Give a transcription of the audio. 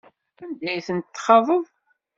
Anda ay tent-txaḍeḍ?